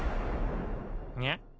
にゃ？